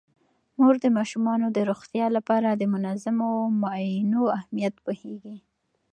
مور د ماشومانو د روغتیا لپاره د منظمو معاینو اهمیت پوهیږي.